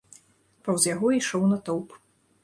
Паўз яго ішоў натоўп.